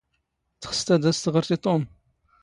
ⵜⵅⵙⴷ ⴰⴷ ⴰⵙ ⵜⵖⵔⴷ ⵉ ⵜⵓⵎ?